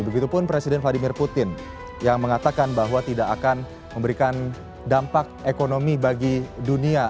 begitupun presiden vladimir putin yang mengatakan bahwa tidak akan memberikan dampak ekonomi bagi dunia